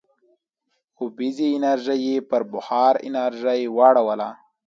اوبیزه انرژي یې پر بخار انرژۍ واړوله.